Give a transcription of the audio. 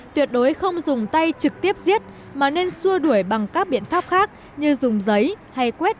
tuyệt đối không dùng tay trực tiếp giết mà nên xua đuổi bằng các biện pháp khác như dùng giấy hay quét